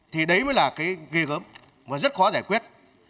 thì đấy mới là cái gây gớm và rất khó giải quyết